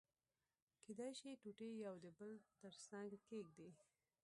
کېدای شي ټوټې يو د بل تر څنګه کېږدي.